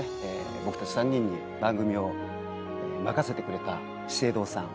僕たち３人に番組を任せてくれた資生堂さん。